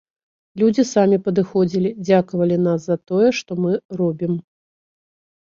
Людзі самі падыходзілі, дзякавалі нас за тое, што мы робім.